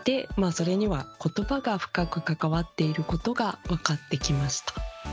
それにはことばが深く関わっていることがわかってきました。